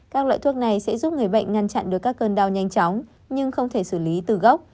các loại thuốc này sẽ giúp người bệnh ngăn chặn được các cơn đau nhanh chóng nhưng không thể xử lý từ gốc